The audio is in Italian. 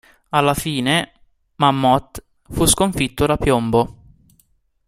Alla fine Mammoth fu sconfitto da Piombo.